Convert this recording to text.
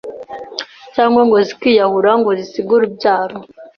cyangwa ngo zikiyahura ngo zisige urubyaro